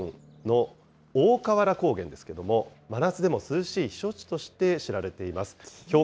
徳島県佐那河内村の大川原高原ですけれども、真夏でも涼しい避暑地として知られています。